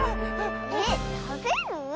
えったべる？